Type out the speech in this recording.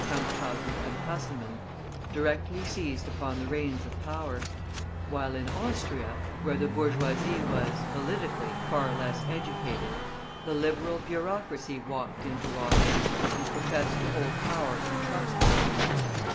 Camphausen and Hansemann, directly seized upon the reins of power; while in Austria, where the bourgeoisie was, politically, far less educated, the Liberal bureaucracy walked into office, and professed to hold power in trust for them.